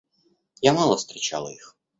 Я мало встречала их.